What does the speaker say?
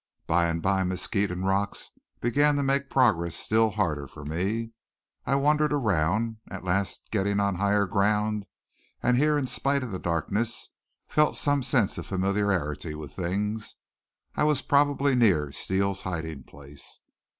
By and by mesquites and rocks began to make progress still harder for me. I wandered around, at last getting on higher ground and here in spite of the darkness, felt some sense of familiarity with things. I was probably near Steele's hiding place.